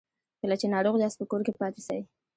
کله چې ناروغ یاست په کور کې پاتې سئ